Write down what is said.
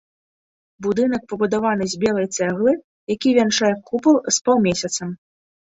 Будынак пабудаваны з белай цэглы, які вянчае купал з паўмесяцам.